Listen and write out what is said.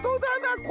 これ！